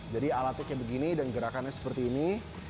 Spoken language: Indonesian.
jadi alatnya kayak begini dan gerakannya seperti ini